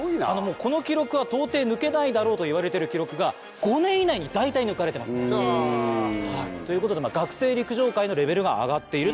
この記録は到底抜けないだろうといわれてる記録が５年以内に大体抜かれてますね。ということで学生陸上界のレベルが上がっているという。